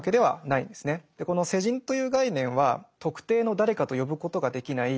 この世人という概念は特定の誰かと呼ぶことができない